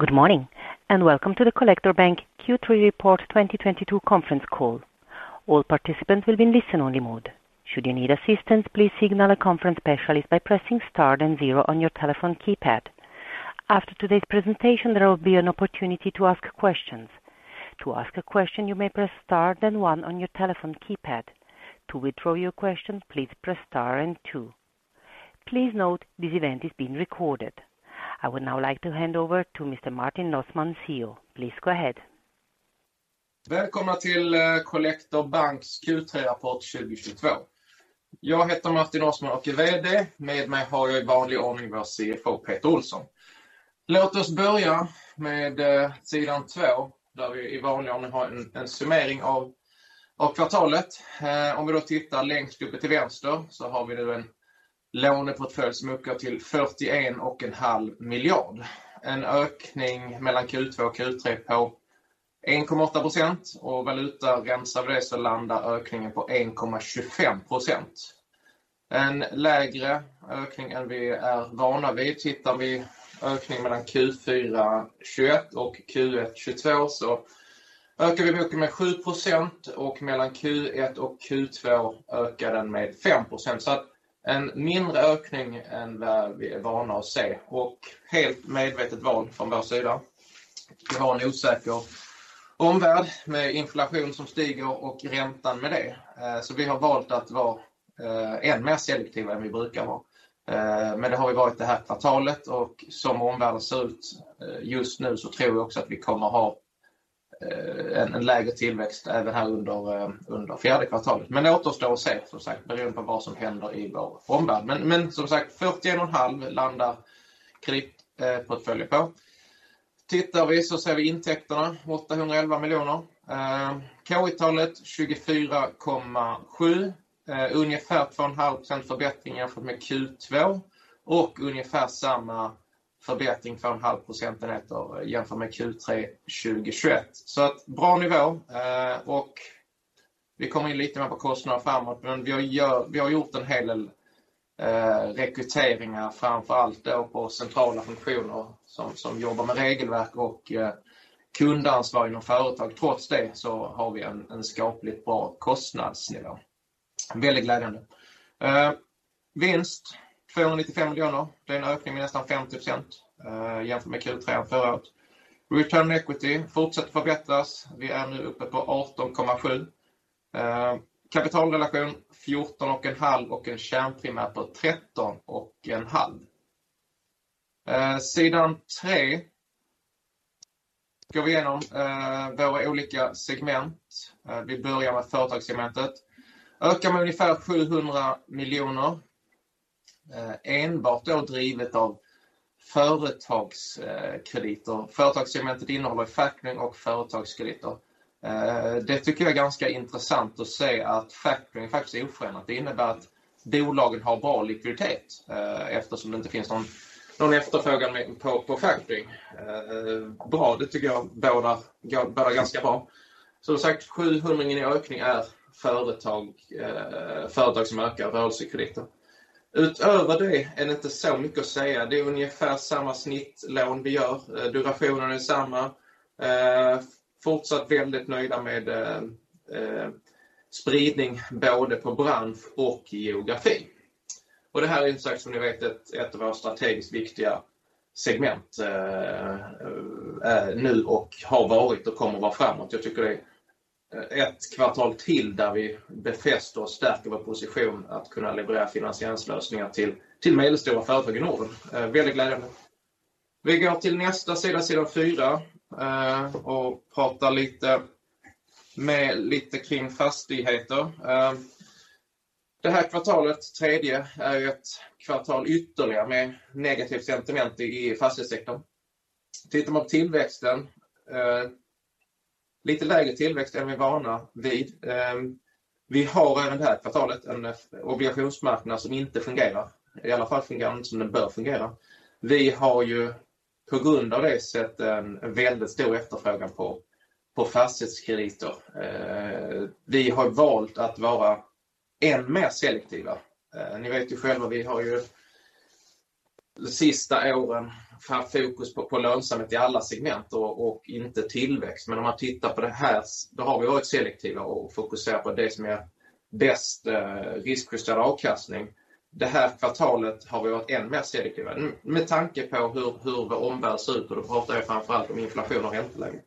Good morning and welcome to the Collector Bank Q3 Report 2022 conference call. All participants will be in listen only mode. Should you need assistance, please signal a conference specialist by pressing star then zero on your telephone keypad. After today's presentation, there will be an opportunity to ask questions. To ask a question, you may press star then one on your telephone keypad. To withdraw your question, please press star and two. Please note this event is being recorded. I would now like to hand over to Mr. Martin Nossman, CEO. Please go ahead. Välkomna till Collector Banks Q3-rapport 2022. Jag heter Martin Nossman och är vd. Med mig har jag i vanlig ordning vår CFO Peter Olsson. Låt oss börja med sidan två, där vi i vanlig ordning har en summering av kvartalet. Om vi då tittar längst uppe till vänster så har vi nu en lånportfölj som uppgår till SEK 41.5 miljard. En ökning mellan Q2 och Q3 på 1.8% och valutajusterat landar ökningen på 1.25%. En lägre ökning än vi är vana vid. Tittar vi ökningen mellan Q4 2021 och Q1 2022 så ökar vi boken med 7% och mellan Q1 och Q2 ökar den med 5%. En mindre ökning än vad vi är vana att se och helt medvetet val från vår sida. Vi har en osäker omvärld med inflation som stiger och räntan med det. Vi har valt att vara än mer selektiva än vi brukar vara. Det har vi varit det här kvartalet och som omvärlden ser ut just nu så tror vi också att vi kommer ha en lägre tillväxt även här under fjärde kvartalet. Återstår att se som sagt, beroende på vad som händer i vår omvärld. Som sagt, kreditportfölj landar på SEK 41.5 billion. Tittar vi så ser vi intäkterna, SEK 811 million. K/I-talet, 24.7, ungefär 2.5% förbättring jämfört med Q2 och ungefär samma förbättring, 2.5 procentenheter jämfört med Q3 2021. Bra nivå och vi kommer in lite mer på kostnader framåt, men vi har gjort en hel del rekryteringar, framför allt då på centrala funktioner som jobbar med regelverk och kundansvar inom företag. Trots det så har vi en skapligt bra kostnadsnivå. Väldigt glädjande. Vinst, SEK 295 million. Det är en ökning med nästan 50% jämfört med Q3 förra året. Return on Equity fortsätter förbättras. Vi är nu uppe på 18.7%. Kapitalrelation 14.5% och en kärnprimär på 13.5%. Sidan tre går vi igenom våra olika segment. Vi börjar med företagssegmentet. Ökar med ungefär SEK 700 million. Enbart det drivet av företagskrediter. Företagssegmentet innehåller factoring och företagskrediter. Det tycker jag är ganska intressant att se att factoring faktiskt är oförändrat. Det innebär att bolagen har bra likviditet eftersom det inte finns någon efterfrågan på factoring. Bra, det tycker jag bådar gott. Det bådar ganska bra. Som sagt, SEK 700 million i ökning är företag som ökar rörelsekrediter. Utöver det är det inte så mycket att säga. Det är ungefär samma snittlån vi gör. Durationen är samma. Fortsatt väldigt nöjda med spridning både på bransch och geografi. Det här är som ni vet ett av våra strategiskt viktiga segment. Nu och har varit och kommer vara framåt. Jag tycker det är ett kvartal till där vi befäster och stärker vår position att kunna leverera finansiella lösningar till medelstora företag i Norden. Väldigt glädjande. Vi går till nästa sida fyra, och pratar lite kring fastigheter. Det här kvartalet, tredje, är ju ett kvartal ytterligare med negativt sentiment i fastighetssektorn. Tittar man på tillväxten, lite lägre tillväxt än vi är vana vid. Vi har även det här kvartalet en obligationsmarknad som inte fungerar, i alla fall fungerar inte som den bör fungera. Vi har ju på grund av det sett en väldigt stor efterfrågan på fastighetskrediter. Vi har valt att vara än mer selektiva. Ni vet ju själva, vi har ju sista åren haft fokus på lönsamhet i alla segment och inte tillväxt. Om man tittar på det här, då har vi varit selektiva och fokuserat på det som är bäst riskjusterad avkastning. Det här kvartalet har vi varit än mer selektiva med tanke på hur vår omvärld ser ut och då pratar jag framför allt om inflation och ränteläge.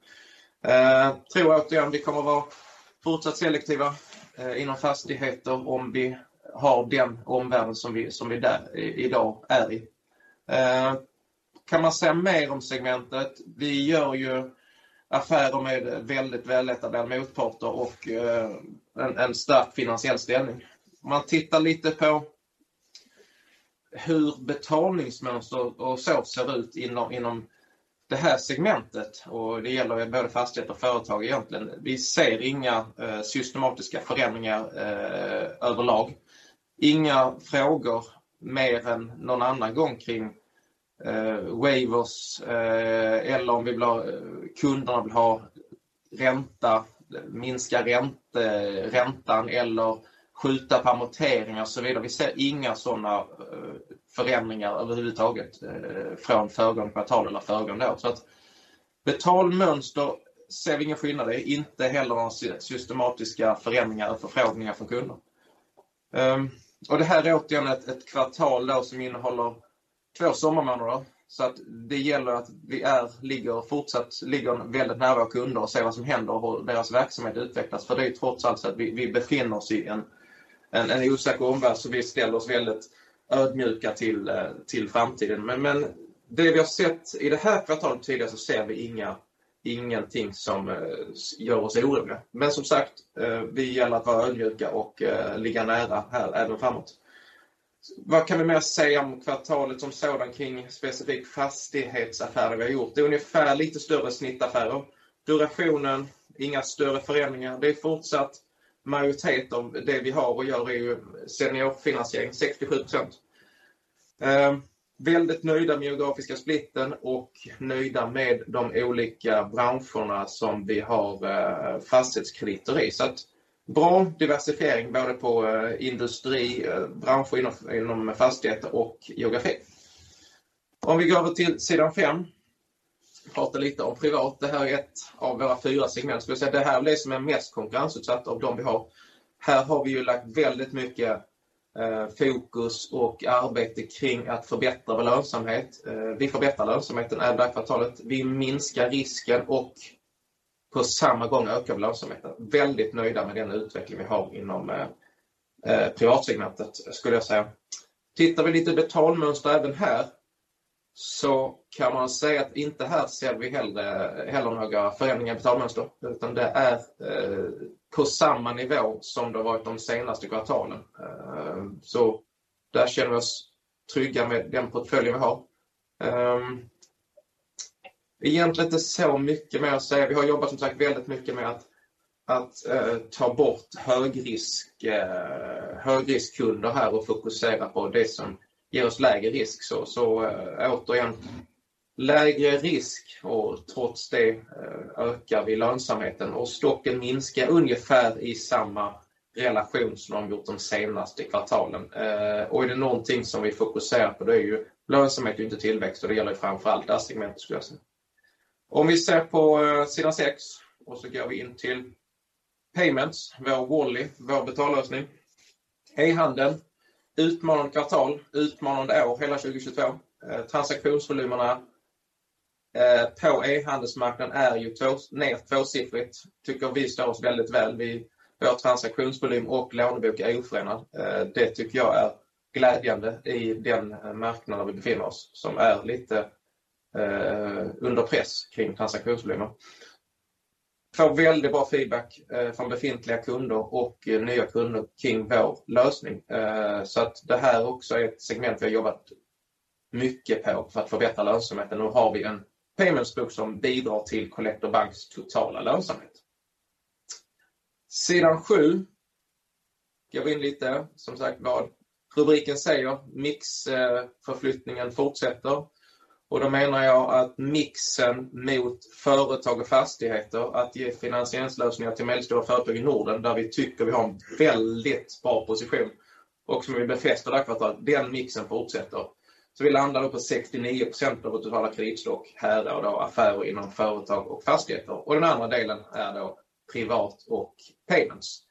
Tror återigen vi kommer vara fortsatt selektiva inom fastigheter om vi har den omvärlden som vi idag är i. Kan man säga mer om segmentet? Vi gör ju affärer med väldigt väl etablerade motparter och en stark finansiell ställning. Om man tittar lite på hur betalningsmönster och så ser ut inom det här segmentet, och det gäller ju både fastigheter och företag egentligen. Vi ser inga systematiska förändringar överlag. Inga frågor mer än någon annan gång kring waivers eller om kunderna vill ha ränta, minska räntan eller skjuta amorteringar och så vidare. Vi ser inga sådana förändringar överhuvudtaget från föregående kvartal eller föregående år. Betalmönster ser vi ingen skillnad i, inte heller några systematiska förändringar eller förfrågningar från kunder. Det här är återigen ett kvartal som innehåller 2 sommarmånader. Det gäller att vi ligger fortsatt väldigt nära våra kunder och ser vad som händer och hur deras verksamhet utvecklas. Det är trots allt så att vi befinner oss i en osäker omvärld så vi ställer oss väldigt ödmjuka till framtiden. Det vi har sett i det här kvartalet tidigare så ser vi ingenting som gör oss oroliga. Som sagt, det gäller att vara ödmjuka och ligga nära här även framåt. Vad kan vi mer säga om kvartalet som sådant kring specifika fastighetsaffärer vi har gjort? Det är ungefär lite större snittaffärer. Durationen, inga större förändringar. Det är fortsatt majoritet av det vi har och gör är ju senior finansiering, 67%. Väldigt nöjda med geografiska splitten och nöjda med de olika branscherna som vi har fastighetskrediter i. Så bra diversifiering både på industri, branscher inom fastigheter och geografi. Om vi går över till sidan 5. Prata lite om privat. Det här är ett av våra fyra segment. Skulle jag säga det här är det som är mest konkurrensutsatt av de vi har. Här har vi ju lagt väldigt mycket fokus och arbete kring att förbättra vår lönsamhet. Vi förbättrar lönsamheten även det här kvartalet. Vi minskar risken och på samma gång ökar vi lönsamheten. Väldigt nöjda med den utveckling vi har inom privatsegmentet skulle jag säga. Tittar vi lite betalmönster även här så kan man säga att inte här ser vi heller några förändringar i betalmönster, utan det är på samma nivå som det varit de senaste kvartalen. Så där känner vi oss trygga med den portföljen vi har. Egentligen inte så mycket mer att säga. Vi har jobbat som sagt väldigt mycket med att ta bort högriskkunder här och fokusera på det som ger oss lägre risk. Återigen, lägre risk och trots det ökar vi lönsamheten och stocken minskar ungefär i samma relation som de gjort de senaste kvartalen. Och är det någonting som vi fokuserar på, det är ju lönsamhet och inte tillväxt och det gäller framför allt det här segmentet skulle jag säga. Om vi ser på sida 6 och så går vi in till Payments, vår Walley, vår betallösning. E-handel, utmanande kvartal, utmanande år, hela 2022. Transaktionsvolymerna på e-handelsmarknaden är ju ner tvåsiffrigt. Tycker vi står oss väldigt väl. Vår transaktionsvolym och lånebok är oförändrad. Det tycker jag är glädjande i den marknaden vi befinner oss, som är lite under press kring transaktionsvolymer. Får väldigt bra feedback från befintliga kunder och nya kunder kring vår lösning. Så att det här också är ett segment vi har jobbat mycket på för att förbättra lönsamheten. Nu har vi en paymentsbok som bidrar till Collector Bank totala lönsamhet. Sida 7. Går vi in lite som sagt vad rubriken säger. Mixförflyttningen fortsätter och då menar jag att mixen mot företag och fastigheter att ge finansieringslösningar till medelstora företag i Norden, där vi tycker vi har en väldigt bra position och som vi befäster det här kvartalet. Den mixen fortsätter. Vi landar då på 69% av vårt totala kreditstock här rör då affärer inom företag och fastigheter. Den andra delen är då privat och Payments.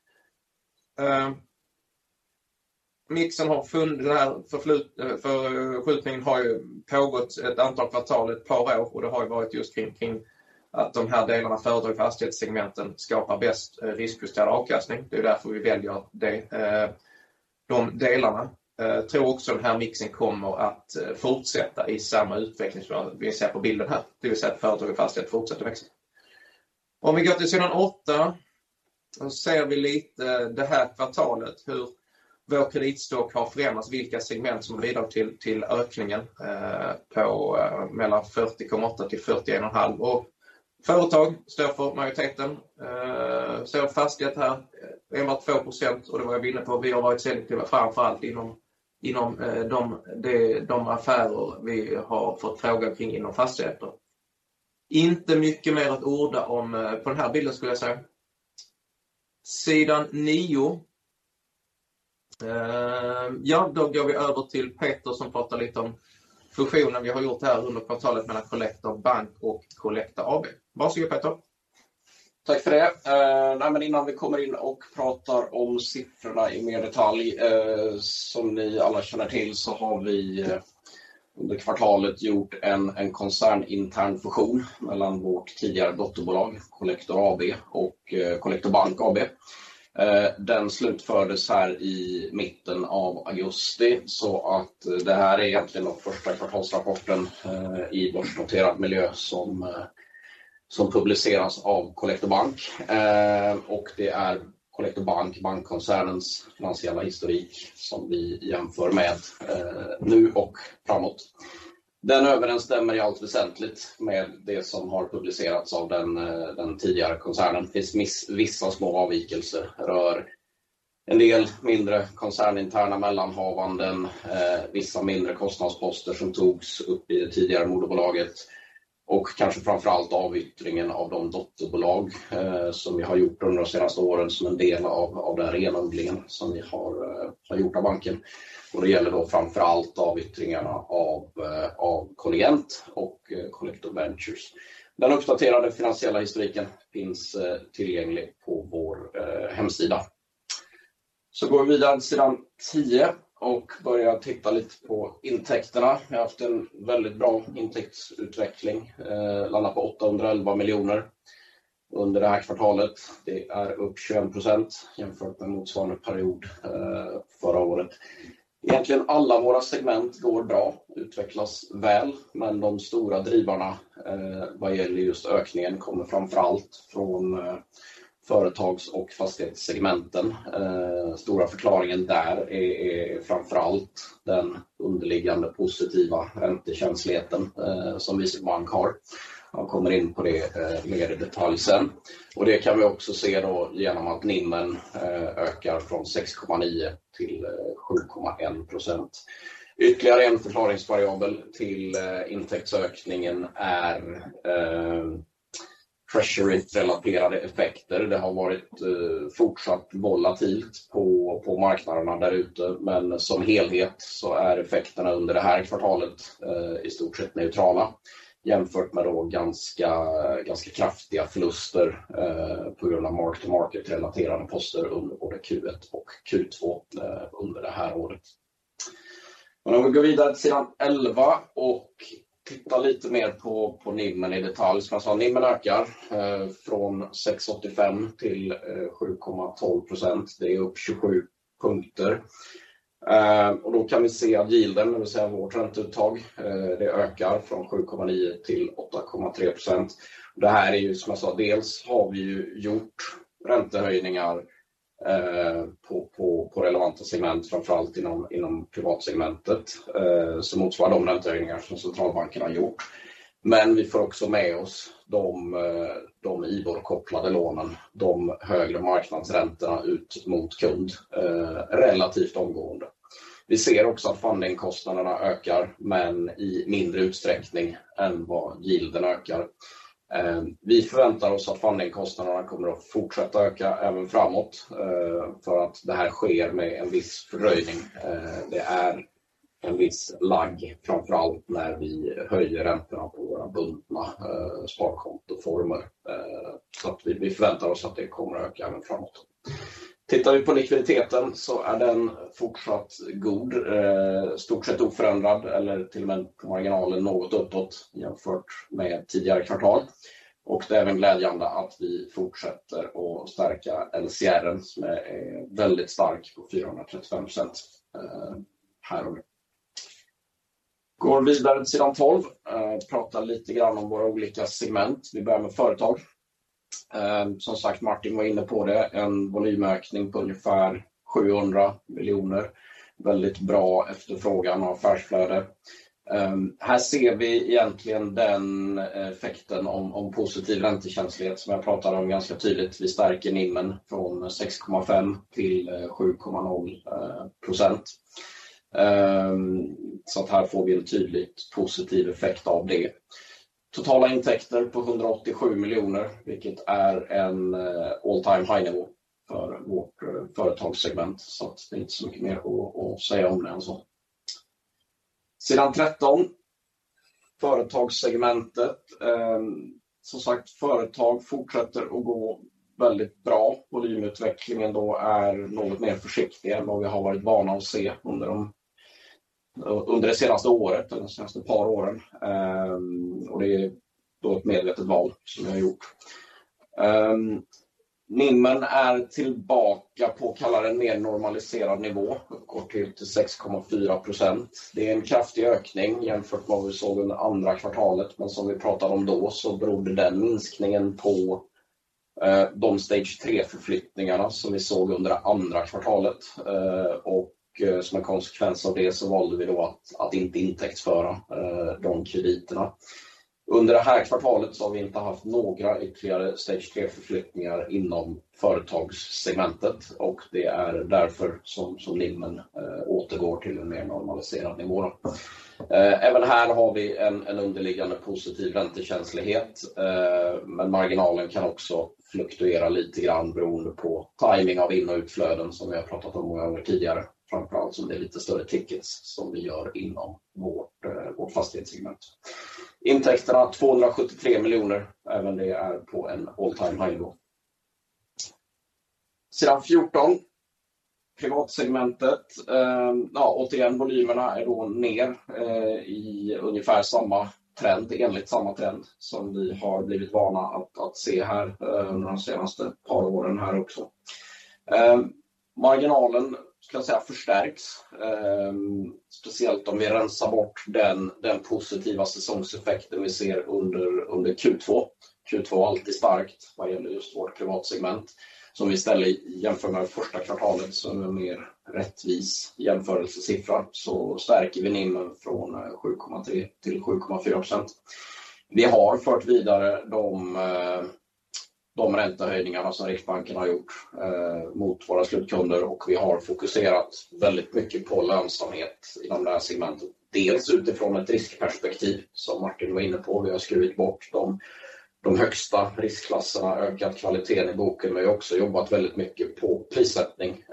Förskjutningen har ju pågått ett antal kvartal, ett par år och det har ju varit just kring att de här delarna företag- och fastighetssegmenten skapar bäst riskjusterad avkastning. Det är därför vi väljer det, de delarna. Tror också den här mixen kommer att fortsätta i samma utvecklingsbana som vi ser på bilden här. Det vill säga att företag och fastigheter fortsätter växa. Om vi går till sidan 8 så ser vi lite det här kvartalet hur vår kreditstock har förändrats, vilka segment som bidrar till ökningen på mellan SEK 40.8-SEK 41.5. Företag står för majoriteten. Ser fastighet här, enbart 2% och det var jag inne på. Vi har varit selektiva framför allt inom de affärer vi har fått frågan kring inom fastigheter. Inte mycket mer att orda om på den här bilden skulle jag säga. Sidan 9. Ja, då går vi över till Peter som pratar lite om fusionen vi har gjort här under kvartalet mellan Collector Bank och Collector AB. Varsågod Peter. Tack för det. Nej men innan vi kommer in och pratar om siffrorna i mer detalj. Som ni alla känner till så har vi under kvartalet gjort en koncernintern fusion mellan vårt tidigare dotterbolag Collector AB och Collector Bank AB. Den slutfördes här i mitten av augusti så att det här är egentligen då första kvartalsrapporten i börsnoterad miljö som publiceras av Collector Bank. Det är Collector Bank, bankkoncernens finansiella historik som vi jämför med nu och framåt. Den överensstämmer i allt väsentligt med det som har publicerats av den tidigare koncernen. En del mindre koncerninterna mellanhavanden, vissa mindre kostnadsposter som togs upp i det tidigare moderbolaget och kanske framför allt avyttringen av de dotterbolag som vi har gjort under de senaste åren som en del av den renodlingen som vi har gjort av banken. Det gäller då framför allt avyttringarna av Colligent och Collector Ventures. Den uppdaterade finansiella historiken finns tillgänglig på vår hemsida. Går vi vidare till sidan 10 och börjar titta lite på intäkterna. Vi har haft en väldigt bra intäktsutveckling, landat på SEK 811 miljoner under det här kvartalet. Det är upp 21% jämfört med motsvarande period förra året. Egentligen alla våra segment går bra, utvecklas väl, men de stora drivarna vad gäller just ökningen kommer framför allt från företags- och fastighetssegmenten. Stora förklaringen där är framför allt den underliggande positiva räntekänsligheten som vi som bank har. Jag kommer in på det mer i detalj sen. Det kan vi också se genom att NIMen ökar från 6.9% till 7.1%. Ytterligare en förklaring variabel till intäktsökningen är treasury relaterade effekter. Det har varit fortsatt volatilt på marknaderna där ute, men som helhet så är effekterna under det här kvartalet i stort sett neutrala jämfört med då ganska kraftiga förluster på grund av market relaterade poster under både Q1 och Q2 under det här året. Om vi går vidare till sidan 11 och tittar lite mer på NIMen i detalj. NIMen ökar från 6.85 till 7.12%. Det är upp 27 punkter. Och då kan vi se att yielden, det vill säga vårt ränteuttag, det ökar från 7.9% till 8.3%. Det här är ju som jag sa, dels har vi gjort räntehöjningar på relevanta segment, framför allt inom privatsegmentet, som motsvarar de räntehöjningar som centralbanken har gjort. Vi får också med oss de IBOR-kopplade lånen, de högre marknadsräntorna ut mot kund, relativt omgående. Vi ser också att fundingkostnaderna ökar, men i mindre utsträckning än vad yielden ökar. Vi förväntar oss att fundingkostnaderna kommer att fortsätta öka även framåt, för att det här sker med en viss fördröjning. Det är en viss lag, framför allt när vi höjer räntorna på våra bundna sparkontoformer. Så att vi förväntar oss att det kommer öka även framåt. Tittar vi på likviditeten så är den fortsatt god, i stort sett oförändrad eller till och med på marginalen något uppåt jämfört med tidigare kvartal. Det är även glädjande att vi fortsätter att stärka LCR:en som är väldigt stark på 435% här och nu. Går vidare till sidan 12. Pratar lite grann om våra olika segment. Vi börjar med företag. Som sagt, Martin var inne på det. En volymökning på ungefär SEK 700 miljoner. Väldigt bra efterfrågan och affärsflöde. Här ser vi egentligen den effekten om positiv räntekänslighet som jag pratade om ganska tydligt. Vi stärker NIM:en från 6.5 till 7.0%. Så att här får vi en tydlig positiv effekt av det. Totala intäkter på SEK 187 miljoner, vilket är en all time high nivå för vårt företagssegment. Det är inte så mycket mer att säga om det än så. Sidan 13. Företagssegmentet. Som sagt, företag fortsätter att gå väldigt bra. Volymutvecklingen då är något mer försiktigare än vad vi har varit vana att se under det senaste året eller de senaste par åren. Det är då ett medvetet val som vi har gjort. NIMen är tillbaka på, kalla det en mer normaliserad nivå, uppåt till 6.4%. Det är en kraftig ökning jämfört med vad vi såg under andra kvartalet, men som vi pratade om då så berodde den minskningen på de Stage 3 förflyttningarna som vi såg under andra kvartalet. Som en konsekvens av det så valde vi då att inte intäktsföra de krediterna. Under det här kvartalet så har vi inte haft några ytterligare Stage 3 förflyttningar inom företagssegmentet och det är därför som NIMen återgår till en mer normaliserad nivå då. Även här har vi en underliggande positiv räntekänslighet, men marginalen kan också fluktuera lite grann beroende på tajming av in- och utflöden som vi har pratat om många gånger tidigare. Framför allt om det är lite större tickets som vi gör inom vårt fastighetssegment. Intäkterna SEK 273 miljoner. Även det är på en all time high då. Sidan 14. Privatsegmentet. Ja återigen, volymerna är då ner i ungefär samma trend, enligt samma trend som vi har blivit vana att se här under de senaste par åren här också. Marginalen ska jag säga förstärks, speciellt om vi rensar bort den positiva säsongseffekten vi ser under Q2. Q2 är alltid starkt vad gäller just vårt privatsegment. Om vi istället jämför med första kvartalet, så rättvis jämförelsesiffra, så stärker vi NIM från 7.3 till 7.4%. Vi har fört vidare de räntehöjningarna som Riksbanken har gjort mot våra slutkunder och vi har fokuserat väldigt mycket på lönsamhet inom det här segmentet. Dels utifrån ett riskperspektiv som Martin var inne på. Vi har skurit bort de högsta riskklasserna, ökat kvaliteten i boken. Vi har också jobbat väldigt mycket på prissättning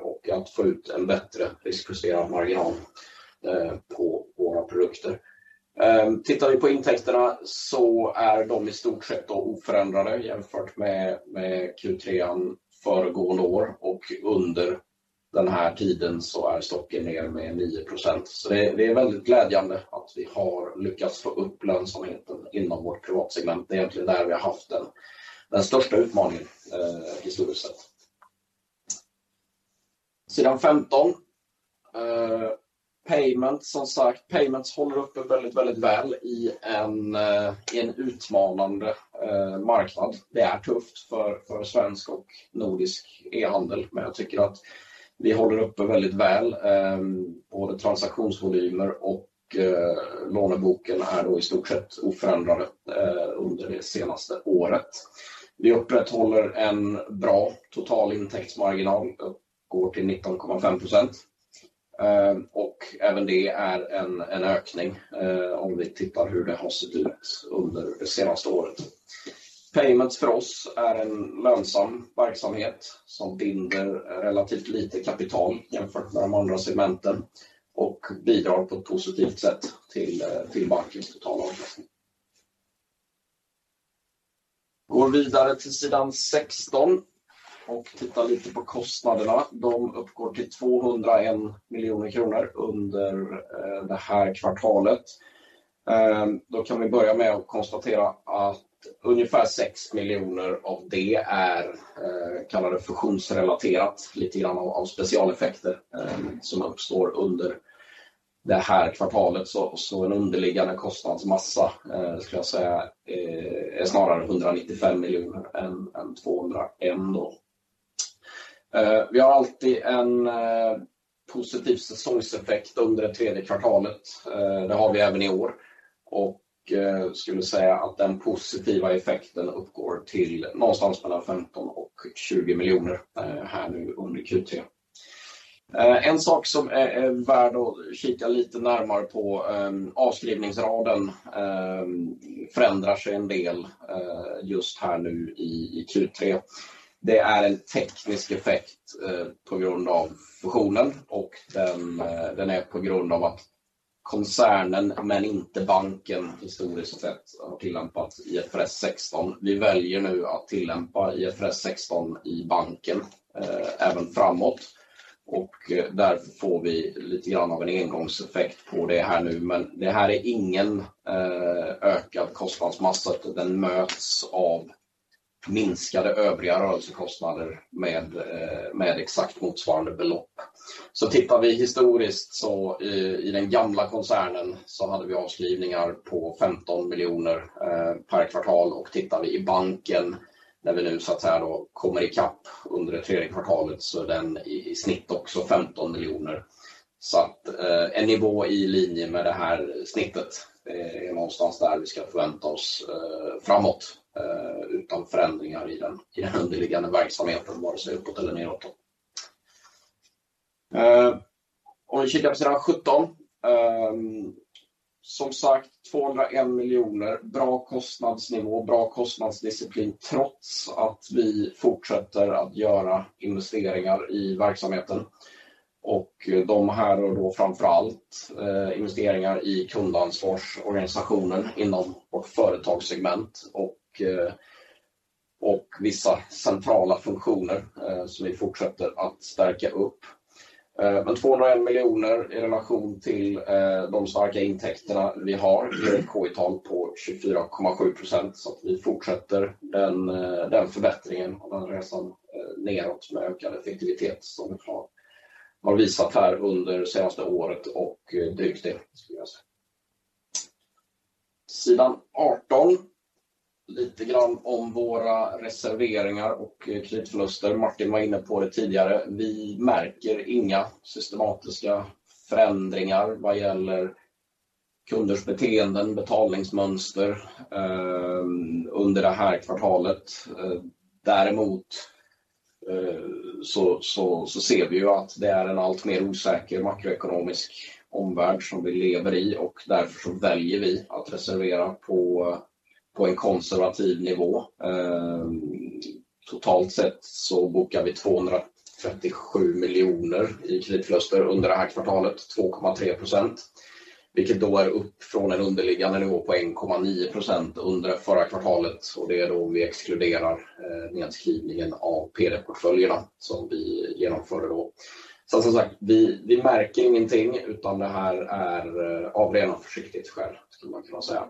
och att få ut en bättre riskjusterad marginal på våra produkter. Tittar vi på intäkterna så är de i stort sett oförändrade jämfört med Q3 föregående år och under den här tiden så är stocken ner med 9%. Det är väldigt glädjande att vi har lyckats få upp lönsamheten inom vårt privatsegment. Det är egentligen där vi har haft den största utmaningen historiskt sett. Sida 15. Payments som sagt, Payments håller uppe väldigt väl i en utmanande marknad. Det är tufft för svensk och nordisk e-handel, men jag tycker att vi håller uppe väldigt väl. Både transaktionsvolymer och låneboken är då i stort sett oförändrade under det senaste året. Vi upprätthåller en bra total intäktsmarginal på 19.5%. Även det är en ökning. Om vi tittar hur det har sett ut under det senaste året. Payments för oss är en lönsam verksamhet som binder relativt lite kapital jämfört med de andra segmenten och bidrar på ett positivt sätt till bankens totala avkastning. Går vidare till sida 16 och tittar lite på kostnaderna. De uppgår till SEK 201 million under det här kvartalet. Kan vi börja med att konstatera att ungefär SEK 6 miljoner av det är, kalla det, fusionsrelaterat. Lite grann av specialeffekter som uppstår under det här kvartalet. Så en underliggande kostnadsmassa ska jag säga är snarare SEK 195 miljoner än SEK 200 då. Vi har alltid en positiv säsongseffekt under det tredje kvartalet. Det har vi även i år och skulle säga att den positiva effekten uppgår till någonstans mellan 15-20 miljoner här nu under Q3. En sak som är värd att kika lite närmare på, avskrivningsraden förändrar sig en del just här nu i Q3. Det är en teknisk effekt på grund av fusionen och den är på grund av att koncernen, men inte banken historiskt sett har tillämpat IFRS 16. Vi väljer nu att tillämpa IFRS 16 i banken, även framåt och därför får vi lite grann av en engångseffekt på det här nu. Det här är ingen ökad kostnadsmassa. Den möts av minskade övriga rörelsekostnader med exakt motsvarande belopp. Tittar vi historiskt så i den gamla koncernen så hade vi avskrivningar på SEK 15 miljoner per kvartal. Tittar vi i banken när vi nu så att säga då kommer ikapp under det tredje kvartalet så är den i snitt också SEK 15 miljoner. En nivå i linje med det här snittet är någonstans där vi ska förvänta oss framåt, utan förändringar i den underliggande verksamheten, vare sig uppåt eller nedåt då. Om vi kikar på sidan sjutton. Som sagt, SEK 201 miljoner. Bra kostnadsnivå, bra kostnadsdisciplin, trots att vi fortsätter att göra investeringar i verksamheten. De här är då framför allt investeringar i kundansvarsorganisationen inom vårt företagssegment och vissa centrala funktioner som vi fortsätter att stärka upp. SEK 201 miljoner i relation till de starka intäkterna vi har ger ett K/I-tal på 24.7%. Vi fortsätter den förbättringen och den resan nedåt med ökad effektivitet som vi har visat här under det senaste året och det är ju ett steg skulle jag säga. Sida 18. Lite grann om våra reserveringar och kreditförluster. Martin var inne på det tidigare. Vi märker inga systematiska förändringar vad gäller kunders beteenden, betalningsmönster under det här kvartalet. Däremot så ser vi ju att det är en alltmer osäker makroekonomisk omvärld som vi lever i och därför så väljer vi att reservera på en konservativ nivå. Totalt sett så bokar vi SEK 237 miljoner i kreditförluster under det här kvartalet, 2.3%, vilket då är upp från en underliggande nivå på 1.9% under förra kvartalet. Det är då vi exkluderar nedskrivningen av NPL-portföljerna som vi genomförde då. Som sagt, vi märker ingenting, utan det här är av rena försiktighetsskäl skulle man kunna säga.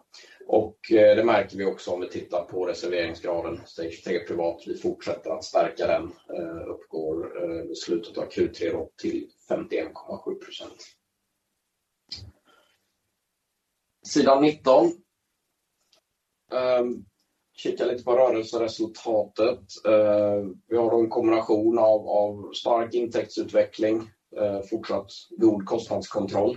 Det märker vi också om vi tittar på reserveringsgraden Stage 3 privat. Vi fortsätter att stärka den. Uppgick i slutet av Q3 då till 51.7% sidan 19. Kika lite på rörelseresultatet. Vi har då en kombination av stark intäktsutveckling, fortsatt god kostnadskontroll,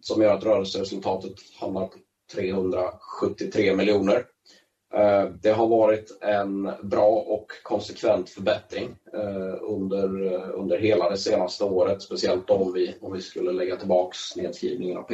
som gör att rörelseresultatet hamnar på SEK 373 miljoner. Det har varit en bra och konsekvent förbättring under hela det senaste året, speciellt om vi skulle lägga tillbaka nedskrivningen av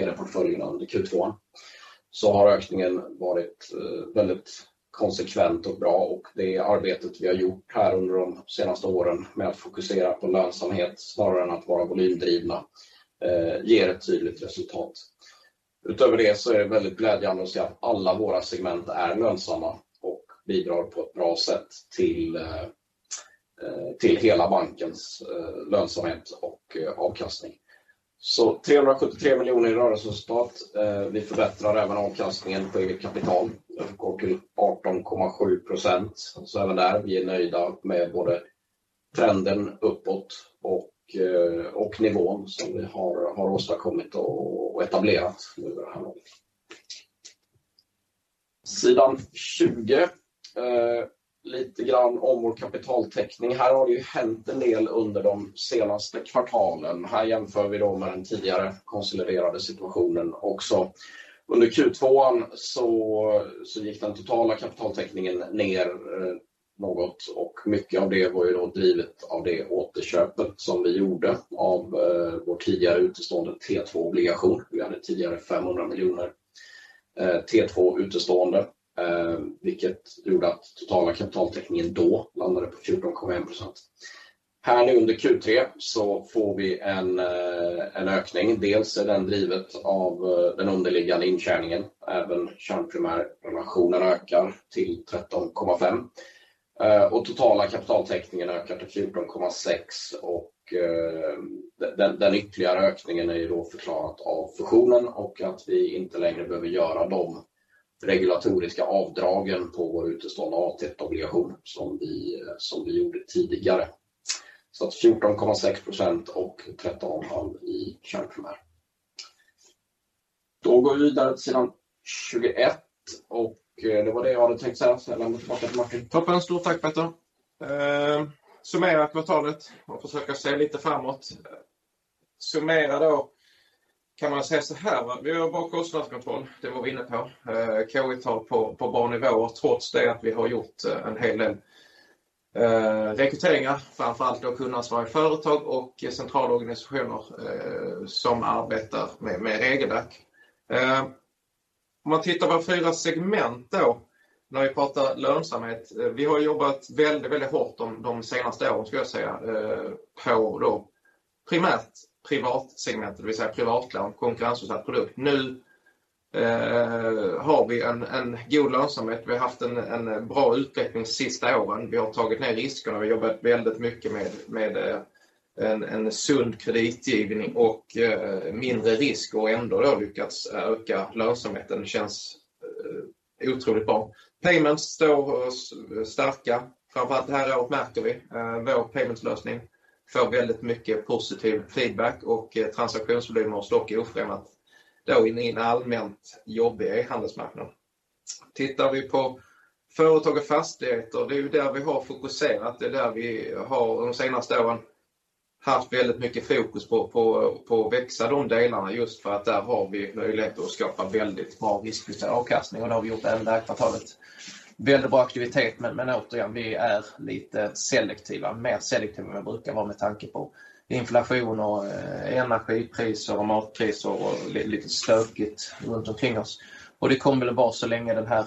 Toppen. Stort tack Petter. Summera kvartalet och försök att se lite framåt. Summera då kan man säga såhär va, vi har bra kostnadskontroll. Det var vi inne på. K/I-tal på bra nivåer trots det att vi har gjort en hel del rekryteringar, framför allt då kundansvarig företag och centrala organisationer som arbetar med egenverk. Om man tittar på våra fyra segment då. När vi pratar lönsamhet. Vi har jobbat väldigt hårt de senaste åren skulle jag säga på då primärt privatsegmentet, det vill säga privatlån, konkurrensutsatt produkt. Nu har vi en god lönsamhet. Vi har haft en bra utveckling sista åren. Vi har tagit ner riskerna. Vi jobbar väldigt mycket med en sund kreditgivning och mindre risk och ändå då lyckats öka lönsamheten. Det känns otroligt bra. Payments står starka. Framför allt det här året märker vi, vår paymentslösning får väldigt mycket positiv feedback och transaktionsvolymer står dock oförändrat då i en allmänt jobbig e-handelsmarknad. Tittar vi på företag och fastigheter, det är ju där vi har fokuserat. Det är där vi har de senaste åren haft väldigt mycket fokus på att växa de delarna just för att där har vi möjligheter att skapa väldigt bra riskjusterad avkastning och det har vi gjort även det här kvartalet. Väldigt bra aktivitet, men återigen, vi är lite selektiva, mer selektiva än vad jag brukar vara med tanke på inflation och energipriser och matpriser och lite stökigt runt omkring oss. Det kommer väl vara så länge den här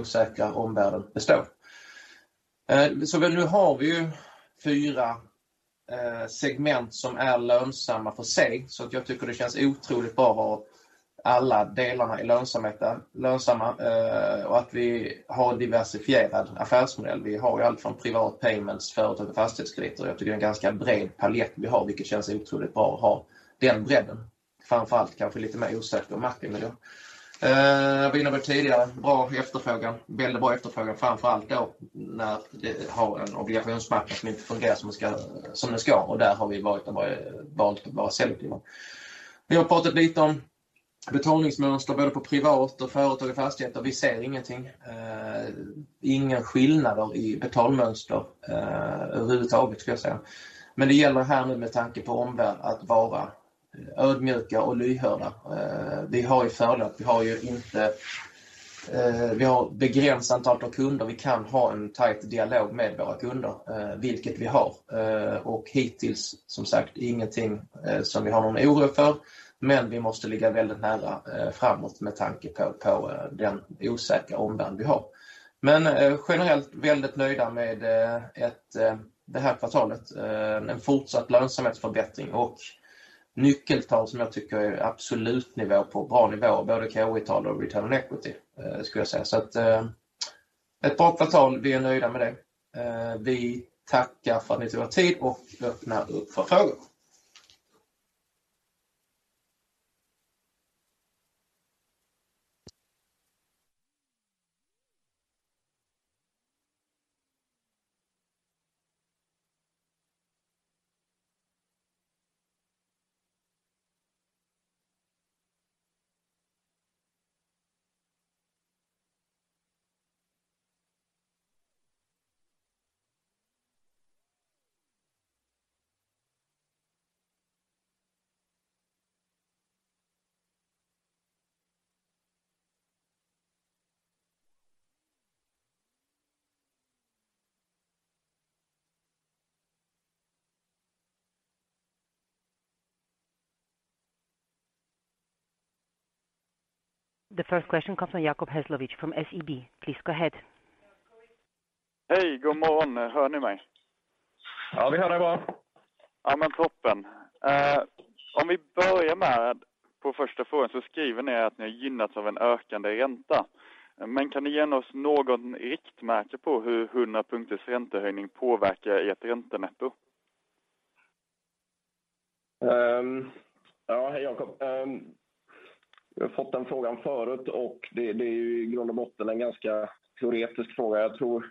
osäkra omvärlden består. Nu har vi ju fyra segment som är lönsamma för sig. Att jag tycker det känns otroligt bra att ha alla delarna i lönsamheten lönsamma, och att vi har diversifierad affärsmodell. Vi har ju allt från privat payments, företag och fastighetskrediter. Jag tycker det är en ganska bred palett vi har, vilket känns otroligt bra att ha den bredden. Framför allt kanske lite mer osäker marknadsmiljö. Jag var inne på det tidigare. Bra efterfrågan, väldigt bra efterfrågan, framför allt då när vi har en obligationsmarknad som inte fungerar som den ska. Där har vi valt att vara selektiva. Vi har pratat lite om betalningsmönster, både på privat och företag och fastigheter. Vi ser ingenting, inga skillnader i betalningsmönster, överhuvudtaget skulle jag säga. Det gäller här nu med tanke på omvärlden att vara ödmjuka och lyhörda. Vi har ju fördel att vi inte har begränsat antal av kunder. Vi kan ha en tajt dialog med våra kunder, vilket vi har. Hittills, som sagt, ingenting som vi har någon oro för, men vi måste ligga väldigt nära framåt med tanke på den osäkra omvärld vi har. Generellt väldigt nöjda med det här kvartalet. En fortsatt lönsamhetsförbättring och nyckeltal som jag tycker är på absolut bra nivå, både K/I-tal och return on equity, skulle jag säga. Ett bra kvartal, vi är nöjda med det. Vi tackar för att ni tog er tid och öppnar upp för frågor. The first question comes from Jacob Hesslevik from SEB. Please go ahead. Hej, god morgon. Hör ni mig? Ja, vi hör dig bra. Ja men toppen. Om vi börjar med på första frågan så skriver ni att ni har gynnats av en ökande ränta. Kan ni ge oss något riktmärke på hur 100 punkters räntehöjning påverkar ert räntenetto? Hej Jakob. Vi har fått den frågan förut och det är ju i grund och botten en ganska teoretisk fråga. Jag tror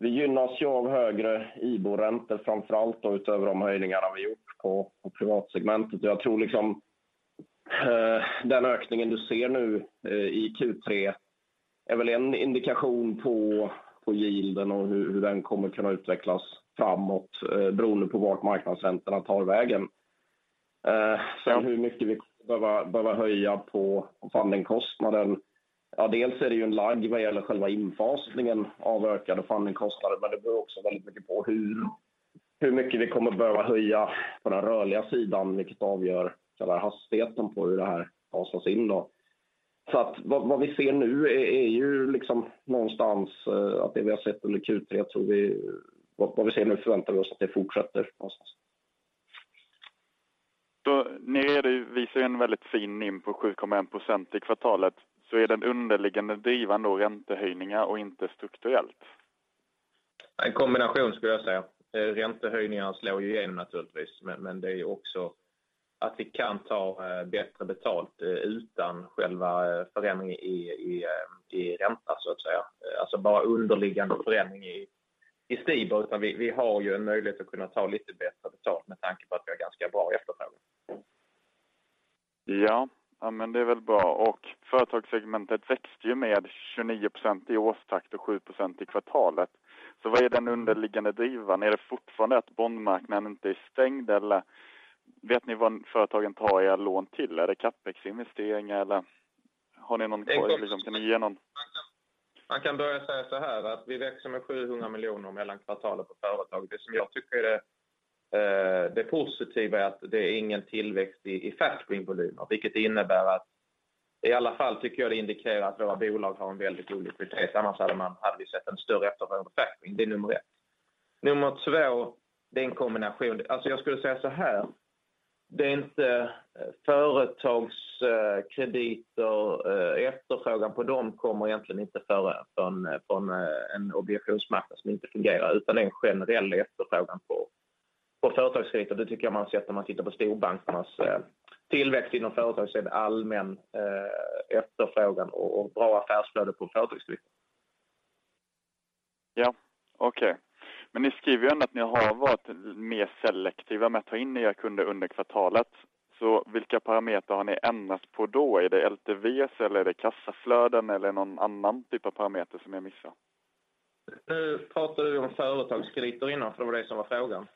vi gynnas ju av högre IBOR-räntor, framför allt då utöver de höjningarna vi gjort på privatsegmentet. Jag tror liksom den ökningen du ser nu i Q3 är väl en indikation på yielden och hur den kommer kunna utvecklas framåt beroende på vart marknadsräntorna tar vägen. Sen hur mycket vi kommer behöva höja på fundingkostnaden. Dels är det ju en lag vad gäller själva infasningen av ökade fundingkostnader, men det beror också väldigt mycket på hur mycket vi kommer behöva höja på den rörliga sidan, vilket avgör själva hastigheten på hur det här fasas in då. Vad vi ser nu är ju liksom någonstans att det vi har sett under Q3 tror vi. Vad vi ser nu förväntar vi oss att det fortsätter någonstans. Visar en väldigt fin NIM på 7.1% i kvartalet. Är den underliggande driven av räntehöjningar och inte strukturellt? En kombination skulle jag säga. Räntehöjningarna slår ju igenom naturligtvis, men det är också att vi kan ta bättre betalt utan själva förändringen i ränta så att säga. Alltså bara underliggande förändring i STIBOR. Vi har ju en möjlighet att kunna ta lite bättre betalt med tanke på att vi har ganska bra efterfrågan. Ja, ja men det är väl bra. Företagssegmentet växte ju med 29% i årstakt och 7% i kvartalet. Vad är den underliggande drivkraften? Är det fortfarande att bondmarknaden inte är stängd? Eller vet ni vad företagen tar era lån till? Är det capex-investeringar eller har ni någon korg liksom? Kan ni ge någon? Man kan börja säga så här att vi växer med SEK 700 miljoner mellan kvartalen på företag. Det som jag tycker är det positiva är att det är ingen tillväxt i factoringvolymer, vilket innebär att i alla fall tycker jag det indikerar att våra bolag har en väldig soliditet. Annars hade vi sett en större efterfrågan på factoring. Det är nummer ett. Nummer två, det är en kombination. Alltså jag skulle säga så här, det är inte företagskrediter. Efterfrågan på dem kommer egentligen inte från en obligationsmarknad som inte fungerar, utan det är en generell efterfrågan på företagskrediter. Det tycker jag man har sett när man tittar på storbankernas tillväxt inom företags är en allmän efterfrågan och bra affärsflöde på företagskrediter. Ja, okej. Ni skriver ju ändå att ni har varit mer selektiva med att ta in era kunder under kvartalet. Vilka parametrar har ni ändrat på då? Är det LTVs eller är det kassaflöden eller någon annan typ av parameter som jag missar? Nu pratar du om företagskrediter innan för det var det som var frågan.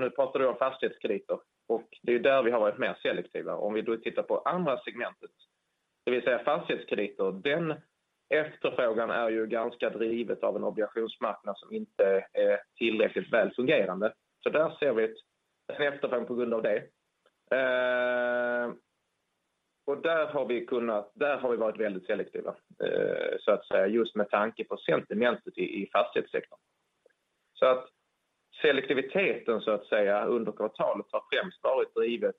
Nu pratar du om fastighetskrediter och det är där vi har varit mer selektiva. Om vi då tittar på andra segmentet, det vill säga fastighetskrediter. Den efterfrågan är ju ganska drivet av en obligationsmarknad som inte är tillräckligt väl fungerande. Så där ser vi en efterfrågan på grund av det. Där har vi varit väldigt selektiva, så att säga, just med tanke på sentimentet i fastighetssektorn. Så att selektiviteten så att säga under kvartalet har främst varit drivet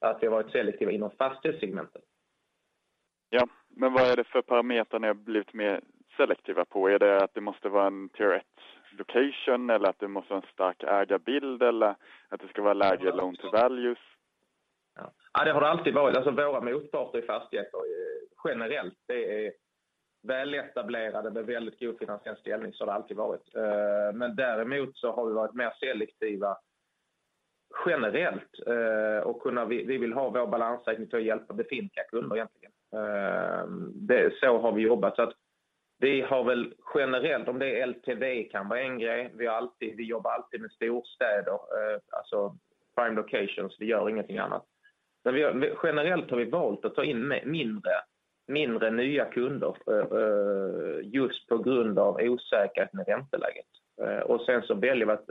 att vi har varit selektiva inom fastighetssegmentet. Vad är det för parametrar ni har blivit mer selektiva på? Är det att det måste vara en prime location eller att det måste vara en stark ägarbild eller att det ska vara lägre loan to values? Ja, det har det alltid varit. Alltså våra motparter i fastigheter generellt, det är väletablerade med väldigt god finansiell ställning. Så har det alltid varit. Men däremot så har vi varit mer selektiva generellt. Vi vill ha vår balansräkning för att hjälpa befintliga kunder egentligen. Så har vi jobbat. Så att vi har väl generellt, om det är LTV kan vara en grej. Vi har alltid, vi jobbar alltid med storstäder, alltså prime locations. Vi gör ingenting annat. Generellt har vi valt att ta in mindre nya kunder just på grund av osäkerhet med ränteläget. Sen så väljer vi att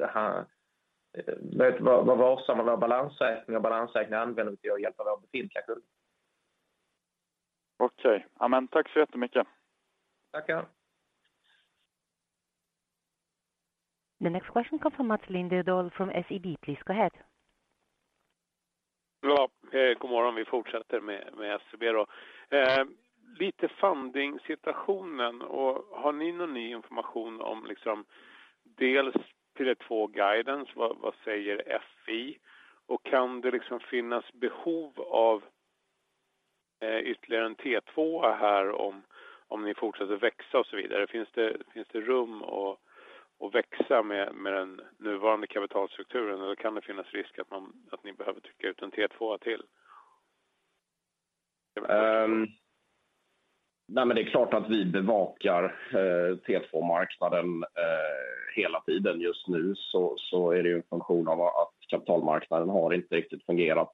vara varsam med vår balansräkning och balansräkningen använder vi till att hjälpa våra befintliga kunder. Okej, ja men tack så jättemycket. Tackar. The next question comes from Mats Lindedahl from SEB. Please go ahead. Ja, god morgon. Vi fortsätter med SEB då. Lite funding-situationen och har ni någon ny information om liksom dels Q2 guidance, vad säger Finansinspektionen? Kan det liksom finnas behov av ytterligare en T2:a här om ni fortsätter växa och så vidare. Finns det rum att växa med den nuvarande kapitalstrukturen? Eller kan det finnas risk att ni behöver trycka ut en T2:a till? Nej, men det är klart att vi bevakar T2-marknaden hela tiden. Just nu så är det ju en funktion av att kapitalmarknaden har inte riktigt fungerat,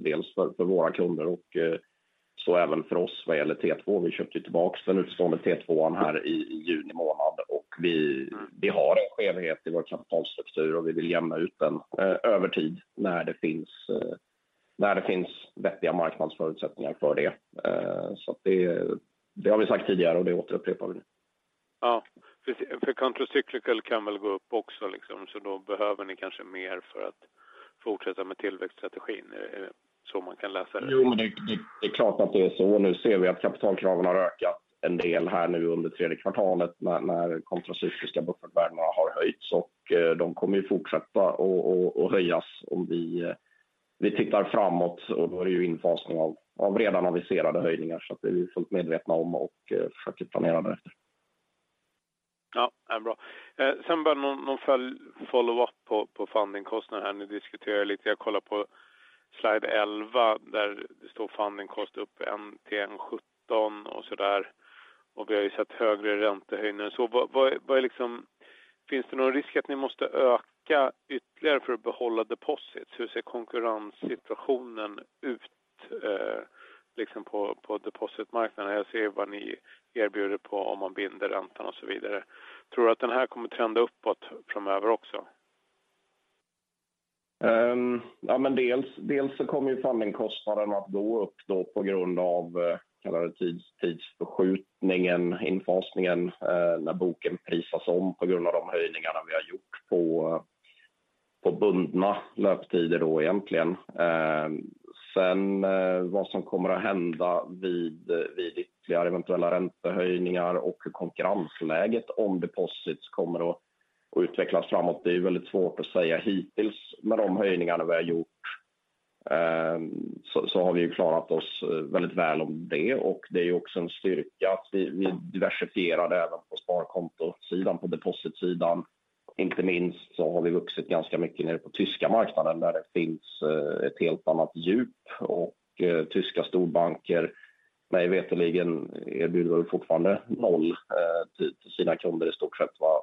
dels för våra kunder och så även för oss vad gäller T2. Vi köpte ju tillbaka den utstående T2:an här i juni månad och vi har en skevhet i vår kapitalstruktur och vi vill jämna ut den över tid när det finns vettiga marknadsförutsättningar för det. Så att det har vi sagt tidigare och det återupprepar vi. Ja, för kontracykliska kan väl gå upp också liksom. Så då behöver ni kanske mer för att fortsätta med tillväxtstrategin. Är det så man kan läsa det? Jo, men det är klart att det är så. Nu ser vi att kapitalkraven har ökat en del här nu under tredje kvartalet när kontracykliska buffertvärdena har höjts och de kommer fortsätta och höjas. Om vi tittar framåt och då är det ju infasning av redan aviserade höjningar. Så att det är vi fullt medvetna om och försöker planera därefter. Ja, är bra. Bara någon follow up på fundingkostnad här ni diskuterar lite. Jag kollar på slide 11 där det står funding cost up 17 och sådär. Vi har ju sett högre räntehöjningar. Vad är liksom? Finns det någon risk att ni måste öka ytterligare för att behålla deposits? Hur ser konkurrenssituationen ut liksom på depositmarknaden? Jag ser vad ni erbjuder på om man binder räntan och så vidare. Tror du att den här kommer trenda uppåt framöver också? Dels så kommer ju fundingkostnaden att gå upp då på grund av kallade tidsförskjutningen, infasningen när boken prisas om på grund av de höjningarna vi har gjort på bundna löptider då egentligen. Sen vad som kommer att hända vid ytterligare eventuella räntehöjningar och konkurrensläget om deposits kommer att utvecklas framåt. Det är väldigt svårt att säga hittills. Med de höjningarna vi har gjort så har vi klarat oss väldigt väl om det. Och det är också en styrka att vi diversifierade även på sparkontosidan, på depositsidan. Inte minst så har vi vuxit ganska mycket nere på tyska marknaden där det finns ett helt annat djup och tyska storbanker. Mig veterligen erbjuder fortfarande noll till sina kunder i stort sett va.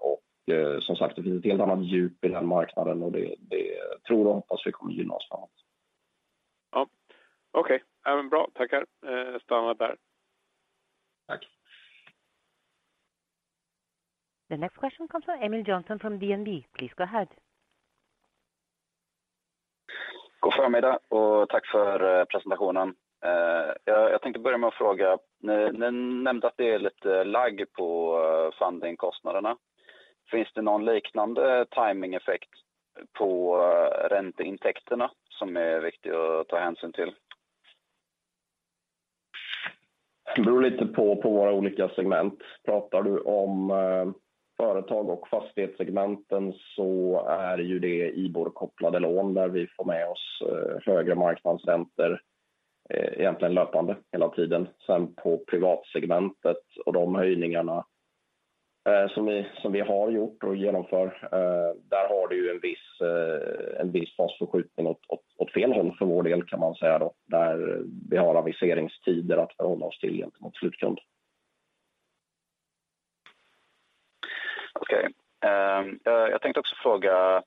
Som sagt, det finns ett helt annat djup i den marknaden och det tror och hoppas vi kommer gynna oss framåt. Ja, okej, även bra. Tackar. Stannar där. Tack. The next question comes from Emil Jonsson from DNB. Please go ahead. God förmiddag och tack för presentationen. Jag tänkte börja med att fråga. Ni nämnde att det är lite lag på fundingkostnaderna. Finns det någon liknande timingeffekt på ränteintäkterna som är viktig att ta hänsyn till? Beror lite på våra olika segment. Pratar du om företag och fastighetssegmenten så är ju det IBOR-kopplade lån där vi får med oss högre marknadsräntor, egentligen löpande hela tiden. Sen på privatsegmentet och de höjningarna, som vi har gjort och genomför, där har du en viss fasförskjutning åt fel håll för vår del kan man säga då. Där vi har aviseringstider att förhålla oss till gentemot slutkund. Okej. Jag tänkte också fråga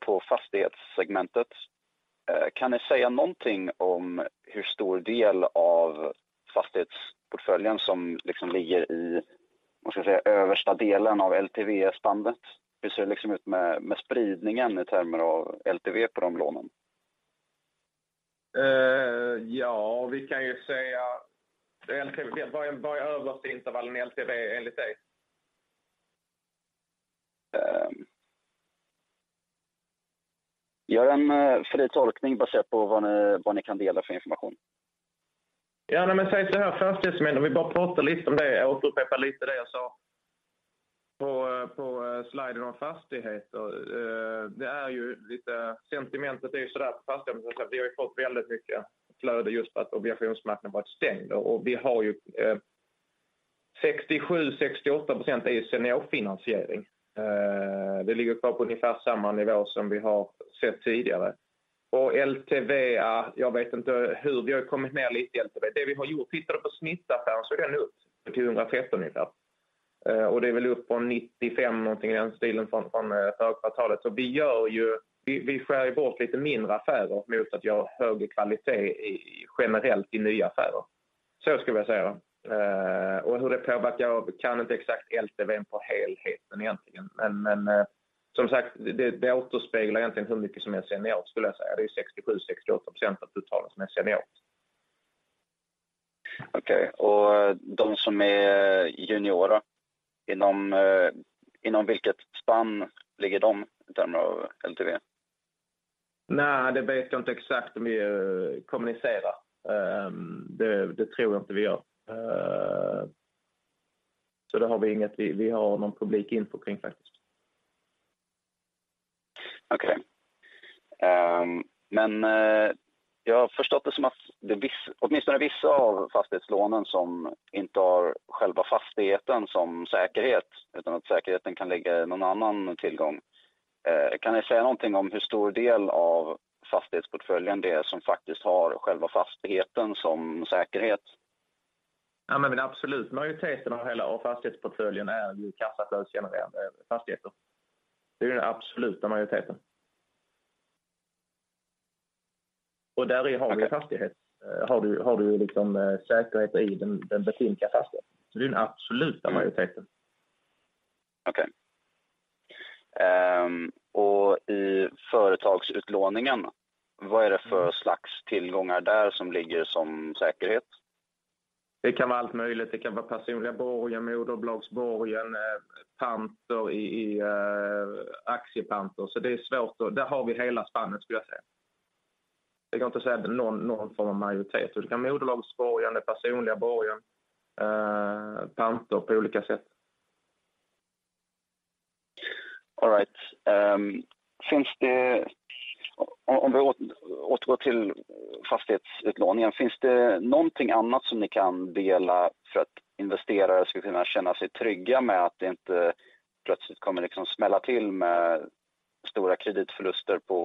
på fastighetssegmentet. Kan ni säga någonting om hur stor del av fastighetsportföljen som liksom ligger i, vad ska jag säga, översta delen av LTV-spannet? Hur ser det liksom ut med spridningen i termer av LTV på de lånen? Vi kan ju säga LTV, vad är översta intervallen i LTV enligt dig? Gör en fri tolkning baserat på vad ni kan dela för information. Fastighetssegmentet, om vi bara pratar lite om det. Jag återupprepar lite det jag sa på sliden om fastigheter. Det är ju lite. Sentimentet är ju sådär på fastigheter. Vi har ju fått väldigt mycket flöde just för att obligationsmarknaden har varit stängd. Vi har ju 67%-68% är senior finansiering. Det ligger kvar på ungefär samma nivå som vi har sett tidigare. LTV. Vi har kommit ner lite i LTV. Det vi har gjort, tittar du på snittaffären så är den upp till 113 ungefär. Det är väl upp från 95, någonting i den stilen från förra kvartalet. Vi gör ju vi skär ju bort lite mindre affärer mot att göra högre kvalitet i generellt i nya affärer. Skulle jag säga. hur det påverkar, jag kan inte exakt LTVn på helheten egentligen. Men som sagt, det återspeglar egentligen hur mycket som är senior skulle jag säga. Det är ju 67%-68% av totalen som är senior. Okej de som är junior då? Inom vilket spann ligger de i termer av LTV? Nej, det vet jag inte exakt om vi kommunicerar. Det tror jag inte vi gör. Så det har vi inget vi har någon publik info kring faktiskt. Okej. Jag har förstått det som att det åtminstone vissa av fastighetslånen som inte har själva fastigheten som säkerhet, utan att säkerheten kan ligga i någon annan tillgång. Kan ni säga någonting om hur stor del av fastighetsportföljen det är som faktiskt har själva fastigheten som säkerhet? Ja men den absoluta majoriteten av hela fastighetsportföljen är ju kassaflödesgenererande fastigheter. Det är ju den absoluta majoriteten. Däri har vi en fastighet, har du liksom säkerheter i den bekymmer fastigheten. Det är den absoluta majoriteten. Okej. Och i företagsutlåningen, vad är det för slags tillgångar där som ligger som säkerhet? Det kan vara allt möjligt. Det kan vara personliga borgen, moderbolagsborgen, pant i aktiepant. Det är svårt. Där har vi hela spannet skulle jag säga. Det går inte att säga någon form av majoritet. Det kan vara moderbolagsborgen, det personliga borgen, pant på olika sätt. All right. Om vi återgår till fastighetsutlåningen, finns det någonting annat som ni kan dela för att investerare ska kunna känna sig trygga med att det inte plötsligt kommer liksom smälla till med stora kreditförluster på